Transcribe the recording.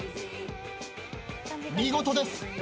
見事です。